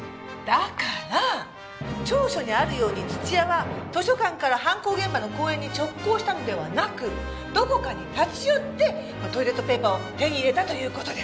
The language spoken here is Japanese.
だから調書にあるように土屋は図書館から犯行現場の公園に直行したのではなくどこかに立ち寄ってトイレットペーパーを手に入れたという事です。